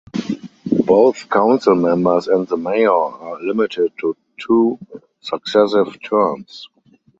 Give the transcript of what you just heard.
Both council members and the mayor are limited to two successive terms.